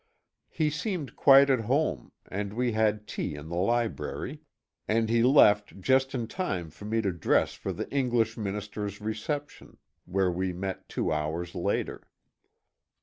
He seemed quite at home, and we had tea in the library, and he left just in time for me to dress for the English Minister's reception where we met two hours later.